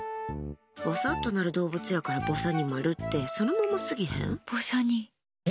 ぼさっとなる動物やからぼさにまるってそのまんますぎへん？